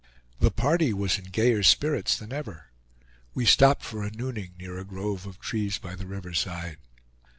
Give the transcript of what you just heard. The party was in gayer spirits than ever. We stopped for a nooning near a grove of trees by the river side.